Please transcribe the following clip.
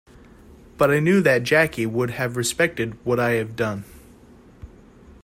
But I knew that Jackie would have respected what I had done.